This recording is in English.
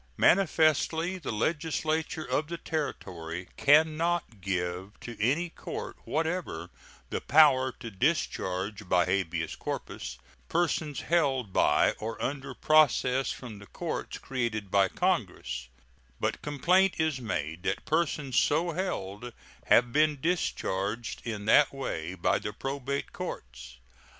Manifestly the legislature of the Territory can not give to any court whatever the power to discharge by habeas corpus persons held by or under process from the courts created by Congress, but complaint is made that persons so held have been discharged in that way by the probate courts.